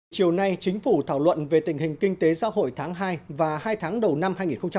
chiều nay chính phủ thảo luận về tình hình kinh tế xã hội tháng hai và hai tháng đầu năm hai nghìn hai mươi